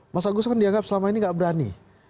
mas agus kan dianggap selama ini gak berani